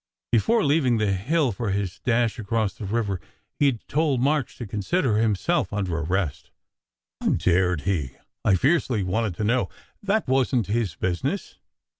Before leaving the hill for his dash across the river he d told March to consider himself under arrest " "How dared he?" I fiercely wanted to know. "That wasn t his business."